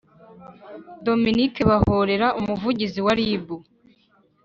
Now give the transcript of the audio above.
dominique bahorera, umuvugizi wa rib,